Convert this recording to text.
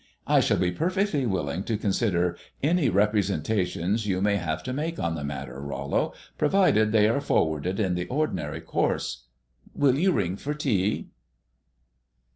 "I shall be perfectly willing to consider any representations you may have to make on the subject, Rollo, provided they are forwarded in the ordinary course. Will you ring for tea?"